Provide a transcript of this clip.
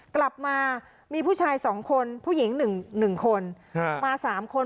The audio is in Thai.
กลับมามีผู้ชาย๒คนผู้หญิง๑คนมา๓คน